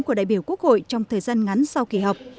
của đại biểu quốc hội trong thời gian ngắn sau kỳ họp